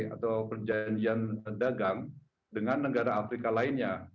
atau perjanjian dagang dengan negara afrika lainnya